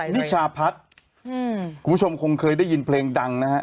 นิชาพัฒน์คุณผู้ชมคงเคยได้ยินเพลงดังนะฮะ